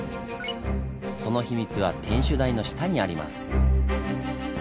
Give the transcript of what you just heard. その秘密は天守台の下にあります。